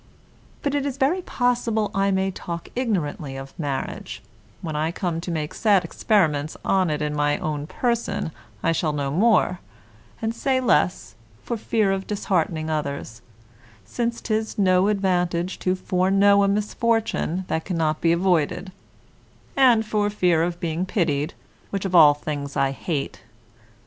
But it is very possible I may talk ignorantly of marriage; when I come to make sad experiments on it in my own person I shall know more, and say less, for fear of disheartening others (since 'tis no advantage to foreknow a misfortune that cannot be avoided), and for fear of being pitied, which of all things I hate.